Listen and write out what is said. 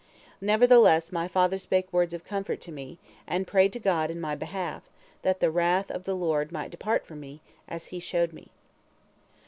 Nevertheless my father spake words of comfort to me, and prayed to God in my behalf, that the wrath of the Lord might depart from me, as He showed me."